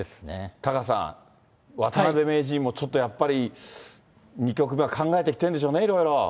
タカさん、渡辺名人もちょっとやっぱり、２局目は考えてきてるんでしょうね、いろいろ。